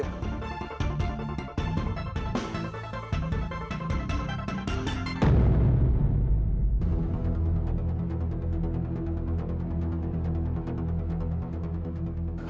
jangan sampai ada leluhur dua ratus delapan puluh sembilan